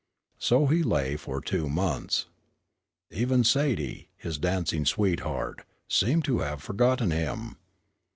So he lay for two months. Even Sadie, his dancing sweetheart, seemed to have forgotten him.